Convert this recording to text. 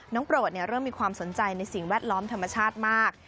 โปรดเริ่มมีความสนใจในสิ่งแวดล้อมธรรมชาติมาก